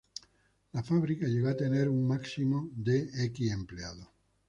La fábrica llegó a tener un máximo de empleados.